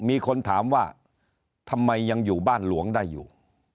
มีคนถามว่าทำไมยังอยู่บ้านหลวงได้อยู่